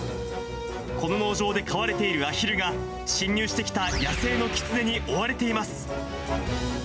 この農場で飼われているアヒルが、侵入してきた野生のキツネに追われています。